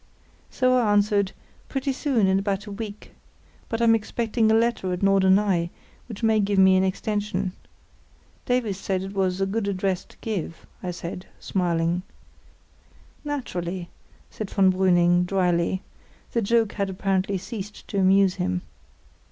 So I answered, "Pretty soon, in about a week. But I'm expecting a letter at Norderney, which may give me an extension. Davies said it was a good address to give," I added, smiling. "Naturally," said von Brüning, dryly; the joke had apparently ceased to amuse him.